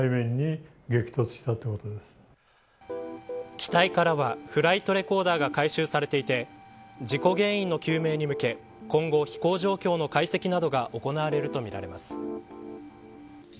機体からはフライトレコーダーが回収されていて事故原因の究明に向け今後、飛行状況の解析などが行われるとみられます。